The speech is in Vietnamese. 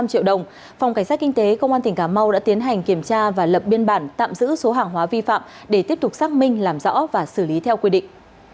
tại thời điểm kiểm tra lực lượng công an tỉnh cà mau đã tiến hành kiểm tra và lập biên bản tạm giữ số hàng hóa vi phạm để tiếp tục xác minh làm rõ và xử lý theo quy định